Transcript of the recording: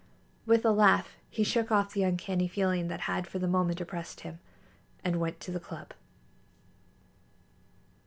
With a laugh he shook off the uncanny feeling that had for the moment oppressed him, and went to the club.